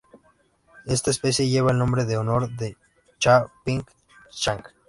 Esta especie lleva el nombre en honor a Ya-ping Zhang.